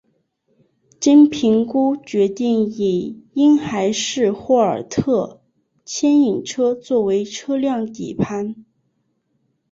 经评估决定以婴孩式霍尔特牵引车作为车辆底盘。